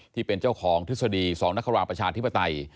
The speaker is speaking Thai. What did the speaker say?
ที่เป็นเจ้าของทฤษฎี๒นครราประชาธิปไตย